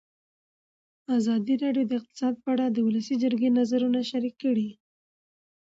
ازادي راډیو د اقتصاد په اړه د ولسي جرګې نظرونه شریک کړي.